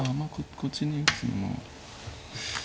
こっちに打つのも。